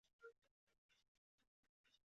都对这幅画留下了深刻的印象